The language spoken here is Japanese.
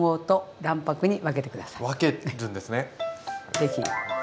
是非。